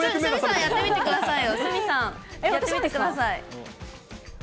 やってみてくださいよ。